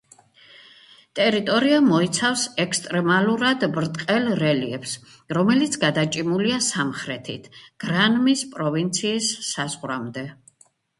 ტერიტორია მოიცავს ექსტრემალურად ბრტყელ რელიეფს, რომელიც გადაჭიმულია სამხრეთით, გრანმის პროვინციის საზღვრამდე.